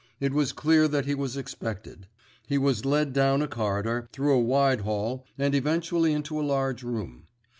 It was clear that he was expected. He was led along a corridor, through a wide hall, and eventually into a large room.